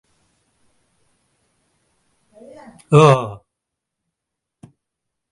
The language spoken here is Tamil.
ஈராக்கையும் குவைத்தையும் திரும்ப எடுத்துக் கட்ட பல்லாயிரம் கோடி தேவை.